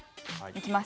いきます。